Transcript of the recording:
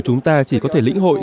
chúng ta chỉ có thể lĩnh hội